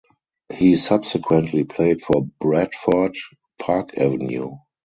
He subsequently played for Bradford (Park Avenue).